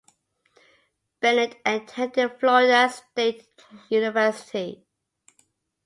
Bennett attended Florida State University.